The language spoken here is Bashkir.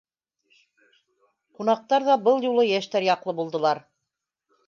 Ҡунаҡтар ҙа был юлы йәштәр яҡлы булдылар: